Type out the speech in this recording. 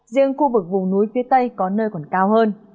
riêng khu vực vùng núi phía tây có nơi còn cao hơn